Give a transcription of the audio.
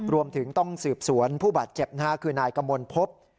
รวมถึงต้องสืบสวนผู้บาดเจ็บคือนายกมลพบ